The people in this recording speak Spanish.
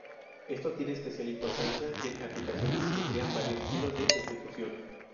Esto tiene especial importancia en aplicaciones que crean varios hilos de ejecución.